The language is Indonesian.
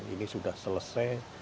ini sudah selesai